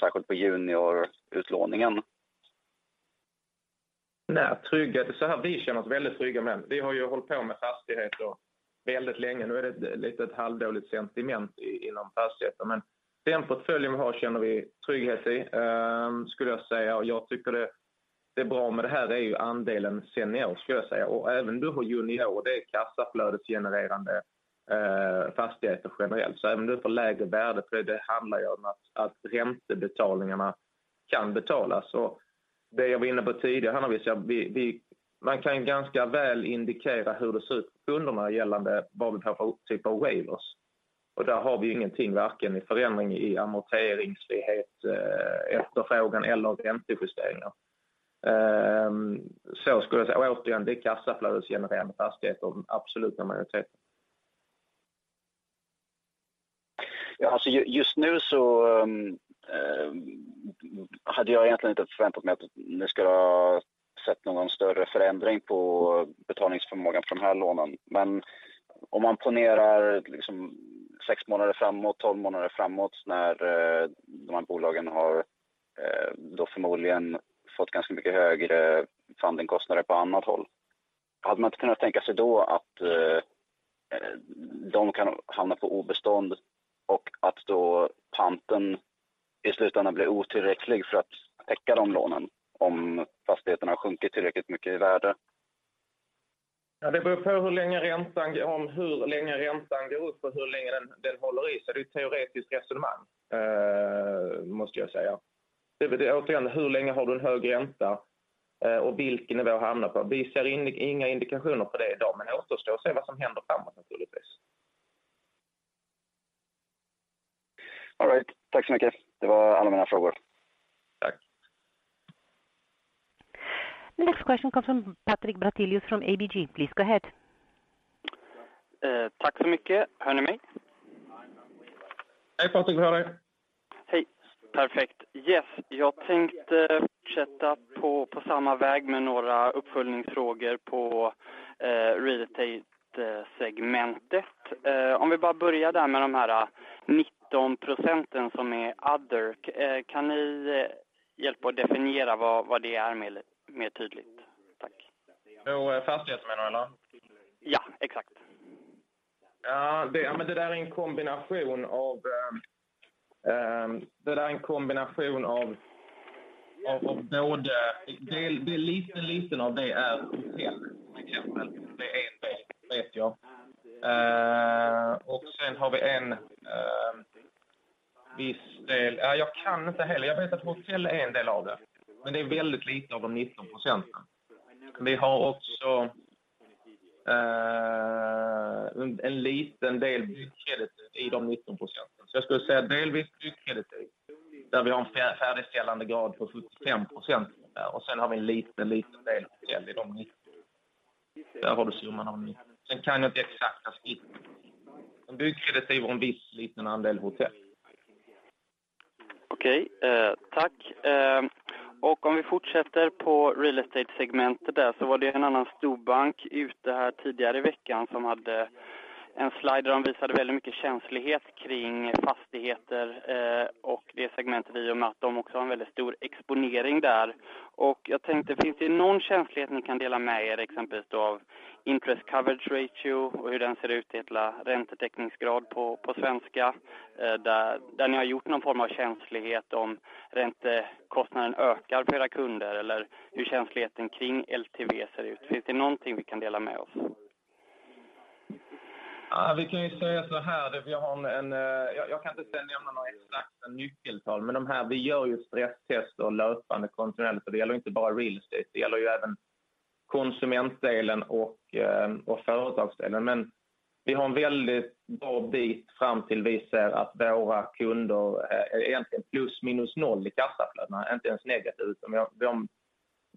särskilt juniorutlåningen? Nä trygghet, det är såhär. Vi känner oss väldigt trygga men vi har ju hållit på med fastigheter väldigt länge. Nu är det lite halvdåligt sentiment inom fastigheter, men den portföljen vi har känner vi trygghet i, skulle jag säga. Jag tycker det är bra. Det här är ju andelen senior, skulle jag säga. Även du har junior, det är kassaflödesgenererande fastigheter generellt. Även du får lägre värde för det. Det handlar ju om att räntebetalningarna kan betalas. Det jag var inne på tidigare handlar ju om att man kan ganska väl indikera hur det ser ut för kunderna gällande vad vi kallar för typ av waivers. Där har vi ingenting, varken i förändring i amorteringsfrihet, efterfrågan eller räntejusteringar. Så skulle jag säga. Återigen, det är kassaflödesgenererande fastigheter, absoluta majoriteten. Just nu hade jag egentligen inte förväntat mig att ni skulle ha sett någon större förändring på betalningsförmågan för de här lånen. Men om man ponerar liksom sex månader framåt, tolv månader framåt när de här bolagen har då förmodligen fått ganska mycket högre fundingkostnader på annat håll. Hade man inte kunnat tänka sig då att de kan hamna på obestånd och att då panten i slutändan blir otillräcklig för att täcka de lånen om fastigheterna har sjunkit tillräckligt mycket i värde? Det beror på hur länge räntan går upp och hur länge den håller i sig. Det är ett teoretiskt resonemang måste jag säga. Det återigen, hur länge har du en hög ränta och vilken nivå hamnar på? Vi ser inga indikationer på det idag, men återstår att se vad som händer framåt naturligtvis. All right, tack så mycket. Det var alla mina frågor. Tack. Next question comes from Patrik Brattelius from ABG. Please go ahead. Tack så mycket. Hör ni mig? Hej Patrik, vi hör dig. Hej, perfekt. Jeff, jag tänkte fortsätta på samma väg med några uppföljningsfrågor på real estate-segmentet. Om vi bara börjar där med de här 19% som är other. Kan ni hjälpa att definiera vad det är mer tydligt? Tack. På fastighet menar du eller? Ja, exakt. Det är en kombination av både. Det är lite av det är hotell till exempel. Det är en del vet jag. Sen har vi en viss del. Ja jag kan inte heller. Jag vet att hotell är en del av det, men det är väldigt lite av de 19%. Vi har också en liten del byggkrediter i de 19%. Jag skulle säga delvis byggkrediter där vi har en färdigställandegrad på 75%. Sen har vi en liten del hotell i de 19. Där har du summan av det. Sen kan jag inte exakta siffror. Byggkrediter och en viss liten andel hotell. Okej, tack. Om vi fortsätter på real estate-segmentet där så var det en annan storbank ute här tidigare i veckan som hade en slide där de visade väldigt mycket känslighet kring fastigheter och det segmentet i och med att de också har en väldigt stor exponering där. Jag tänkte, finns det någon känslighet ni kan dela med er, exempelvis då av interest coverage ratio och hur den ser ut i hela räntetäckningsgrad på svenska? Där ni har gjort någon form av känslighet om räntekostnaden ökar för era kunder eller hur känsligheten kring LTV ser ut. Finns det någonting vi kan dela med oss? Ja, vi kan ju säga såhär. Vi har en. Jag kan inte säga om jag har något exakt nyckeltal, men de här, vi gör ju stresstester löpande kontinuerligt och det gäller inte bara real estate. Det gäller ju även konsumentdelen och företagsdelen. Men vi har en väldigt bra bit fram till vi ser att våra kunder är egentligen plus minus noll i kassaflödena, inte ens negativt utan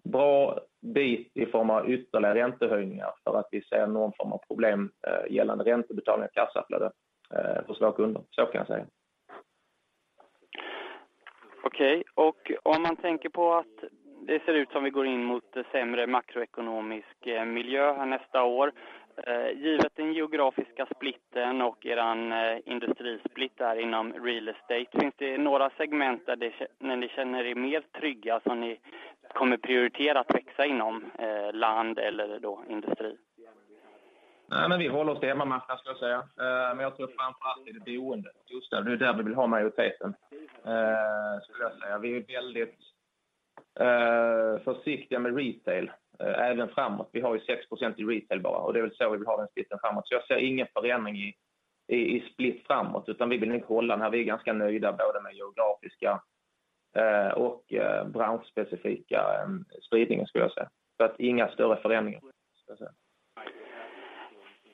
bra bit i form av ytterligare räntehöjningar för att vi ser någon form av problem gällande räntebetalningar kassaflöde för svaga kunder. Så kan jag säga. Okej, om man tänker på att det ser ut som vi går in mot sämre makroekonomisk miljö här nästa år. Givet den geografiska splitten och eran industrisplitt inom real estate. Finns det några segment där det, när ni känner er mer trygga som ni kommer prioritera att växa inom land eller då industri? Nej, men vi håller oss till hemmamarknad skulle jag säga. Jag tror framför allt är det boende, bostäder. Det är där vi vill ha majoriteten, skulle jag säga. Vi är väldigt försiktiga med retail, även framåt. Vi har ju 6% i retail bara och det är väl så vi vill ha den split framåt. Jag ser ingen förändring i split framåt, utan vi vill nog hålla den här. Vi är ganska nöjda både med geografiska och branschspecifika spridningen skulle jag säga. Inga större förändringar skulle jag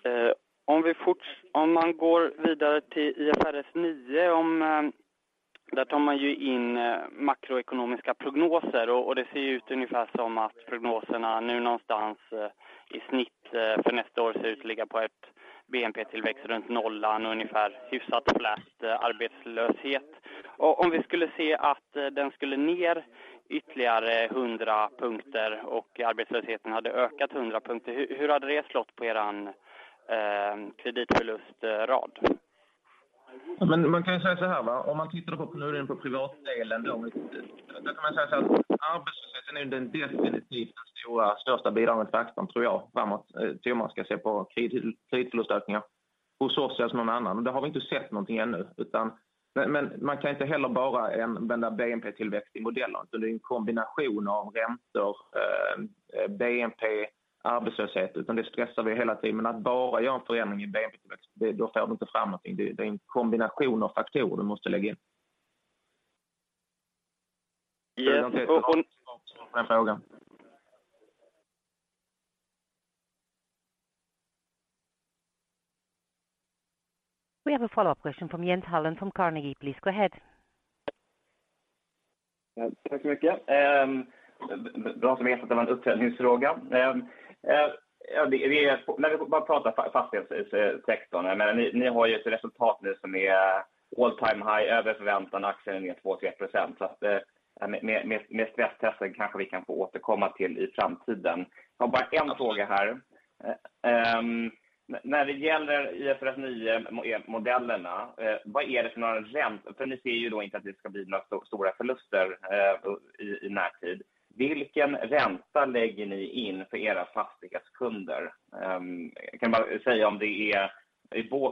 säga. Om man går vidare till IFRS 9. Där tar man ju in makroekonomiska prognoser och det ser ju ut ungefär som att prognoserna nu någonstans i snitt för nästa år ser ut att ligga på ett BNP-tillväxt runt nollan och ungefär hyfsat stabil arbetslöshet. Om vi skulle se att den skulle ner ytterligare 100 punkter och arbetslösheten hade ökat 100 punkter. Hur hade det slagit på erans kreditförlustrad? Ja, man kan säga såhär va. Om man tittade på, nu på privatdelen då. Där kan man säga att arbetslösheten är definitivt den största bidragande faktorn tror jag. Framåt, om man ska se på kreditförlustökningar hos oss eller någon annan. Där har vi inte sett någonting ännu, utan. Man kan inte heller bara använda BNP-tillväxt i modellen. Det är en kombination av räntor, BNP, arbetslöshet. Det stressar vi hela tiden. Att bara göra en förändring i BNP-tillväxt, då får du inte fram någonting. Det är en kombination av faktorer du måste lägga in. Svara på den frågan. Tack så mycket. Bra som helst, det var en uppföljningsfråga. Ja, vi är när vi pratar fastighetssektorn. Jag menar, ni har ju ett resultat nu som är all time high över förväntan. Aktien är ner 2-3%. Så att med stresstesten kanske vi kan få återkomma till i framtiden. Jag har bara en fråga här. När det gäller IFRS 9-modellerna, vad är det för några räntor? För ni ser ju då inte att det ska bli några så stora förluster i närtid. Vilken ränta lägger ni in för era fastighetskunder? Kan man säga om det är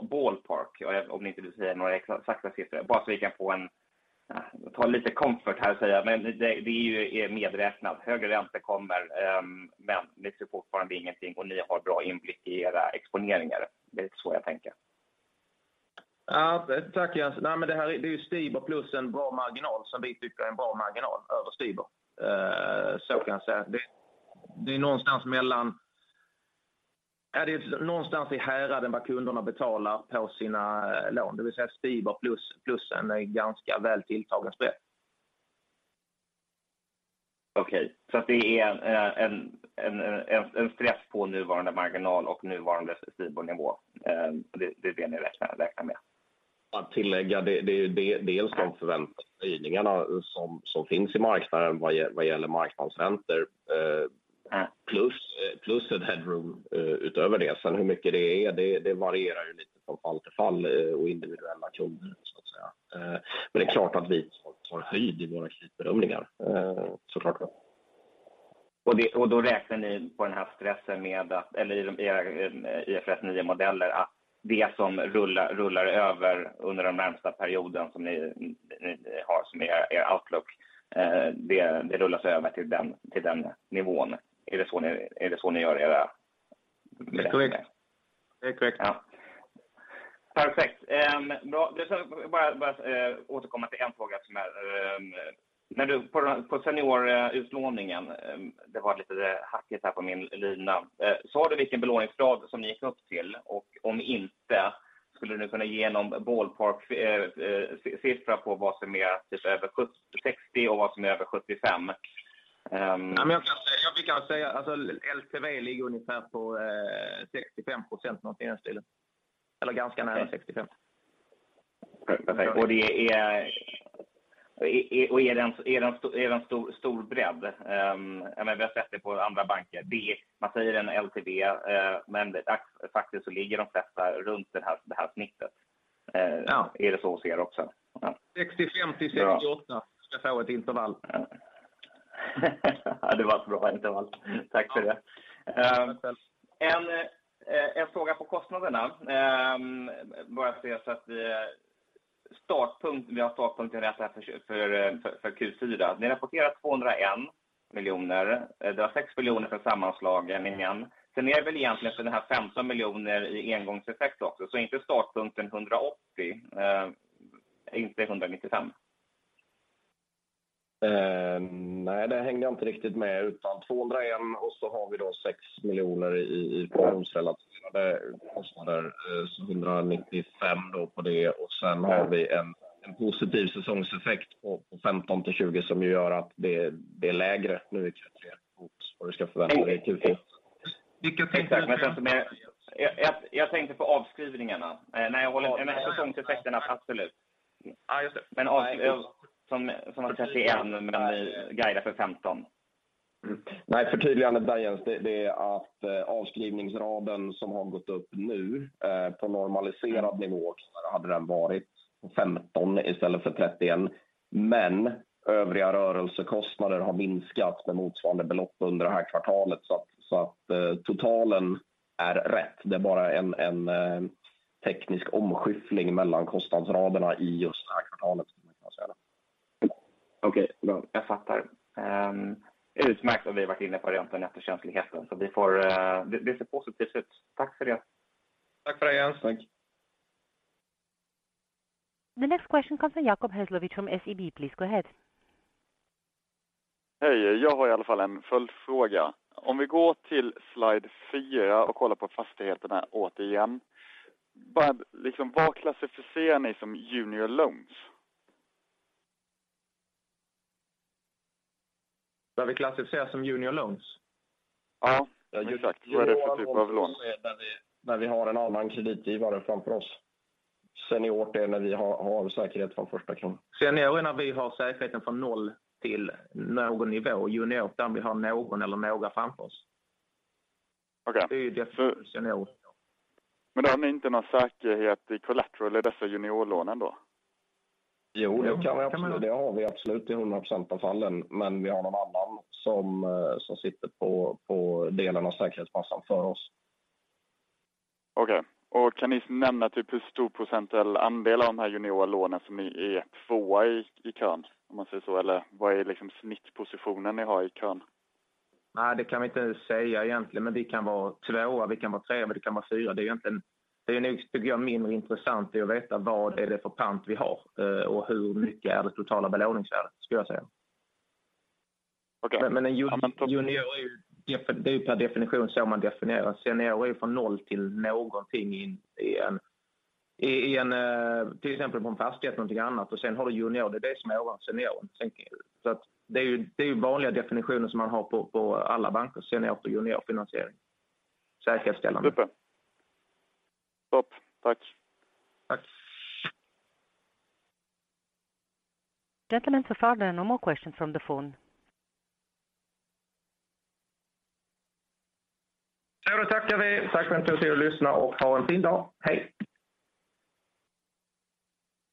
ballpark, om ni inte vill säga några exakta siffror. Bara så vi kan få en ta lite comfort här och säga. Men det är ju medräknat. Högre ränta kommer, men ni ser fortfarande ingenting och ni har bra inblick i era exponeringar. Det är så jag tänker. Ja, tack. Nej, men det här är ju STIBOR plus en bra marginal som vi tycker är en bra marginal över STIBOR. Kan jag säga. Det är någonstans i häraden vad kunderna betalar på sina lån. Det vill säga STIBOR plus en ganska väl tilltagen spread. Okej, så att det är en stress på nuvarande marginal och nuvarande STIBOR-nivå. Det är det ni räknar med? Att tillägga, det är dels de förväntade höjningarna som finns i marknaden vad gäller marknadens räntor plus ett headroom utöver det. Hur mycket det är, det varierar ju lite från fall till fall och individuella kunder så att säga. Men det är klart att vi tar höjd i våra kreditbedömningar. Såklart då. Då räknar ni på den här stressen med att, eller i era IFRS 9-modeller att det som rullar över under den närmaste perioden som ni har som er outlook, det rullas över till den nivån. Är det så ni gör era- Det är korrekt. Perfekt. Bra. Då ska jag bara återkomma till en fråga som är. När du på senior utlåningen, det var lite hackigt här på min lina. Så sa du vilken belåningsgrad som ni gick upp till och om inte, skulle du kunna ge någon ballpark-siffra på vad som är typ över 70, 60 och vad som är över 75? Jag kan säga LTV ligger ungefär på 65%, någonting i den stilen. Eller ganska nära 65. Är det en stor bredd? Jag menar, vi har sett det på andra banker. Man säger en LTV, men faktiskt så ligger de flesta runt det här snittet. Är det så hos er också? 65%-68. Ska jag säga ett intervall. Det var ett bra intervall. Tack för det. En fråga på kostnaderna. Startpunkt, vi har startpunkt i det här för Q4. Ni rapporterar SEK 201 miljoner. Det var SEK 6 miljoner för sammanslagningen igen. Sen är det väl egentligen för den här SEK 15 miljoner i engångseffekt också. Är inte startpunkten SEK 180, inte SEK 195? Nej, där hängde jag inte riktigt med utan SEK 201 miljoner. Så har vi då SEK 6 miljoner i pensionsrelaterade kostnader, så SEK 195 miljoner då på det. Sen har vi en positiv säsongseffekt på SEK 15 miljoner-20 miljoner som ju gör att det är lägre nu i kvartal tre mot vad du ska förvänta dig. Vilka tänker jag tänkte på avskrivningarna. Nej, jag håller med säsongseffekterna, absolut. Ja, just det. Som kanske är en, men ni guidar för 15. Nej, förtydligande där Jens. Det är att avskrivningsraden som har gått upp nu, på normaliserad nivå så hade den varit på 15 istället för 31. Men övriga rörelsekostnader har minskat med motsvarande belopp under det här kvartalet. Så att totalen är rätt. Det är bara en teknisk omskiftning mellan kostnadsraderna i just det här kvartalet som man kan säga. Okej, jag fattar. Utmärkt att vi har varit inne på rent den jättekänsligheten. Det ser positivt ut. Tack för det. Tack för det Jens, tack. The next question comes from Jacob Hesslevik from SEB. Please go ahead. Hej, jag har i alla fall en följdfråga. Om vi går till slide fyra och kollar på fastigheterna återigen. Bara liksom vad klassificerar ni som junior loans? Vad vi klassificerar som junior loans? Ja, exakt. När vi har en annan kreditgivare framför oss. Senior är när vi har säkerhet från första kronan. Senior är när vi har säkerheten från noll till någon nivå. Junior är där vi har någon eller några framför oss. Okej. Det är ju definitionen av senior. Då har ni inte någon säkerhet i collateral i dessa juniorlån ändå? Jo, det kan vi absolut. Det har vi absolut i 100% av fallen, men vi har någon annan som sitter på delen av säkerhetsmassan för oss. Okej, och kan ni nämna typ hur stor procentuell andel av de här juniora lånen som ni är tvåa i kön? Om man säger så. Eller vad är liksom snittpositionen ni har i kön? Nej, det kan vi inte säga egentligen, men vi kan vara tvåa, vi kan vara trea, vi kan vara fyra. Det är egentligen, det är nog tycker jag mindre intressant är att veta vad är det för pant vi har? Och hur mycket är det totala belåningsvärdet skulle jag säga. Okej. En junior är ju det är ju per definition så man definierar. Senior är ju från 0 till någonting i en till exempel på en fastighet, någonting annat. Sen har du junior. Det är det som är ovan senior. Så att det är ju vanliga definitioner som man har på alla banker. Senior och junior finansiering. Säkerhetsställande. Topp. Tack. Tack. Gentlemen, so far there are no more questions from the phone. Då tackar vi. Tack för intresset att lyssna och ha en fin dag. Hej.